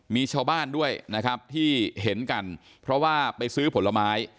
มีชาวบ้านด้วยนะครับที่เห็นกันเพราะว่าไปซื้อผลไม้